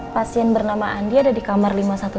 pasien bernama andi ada di kamar lima ratus dua belas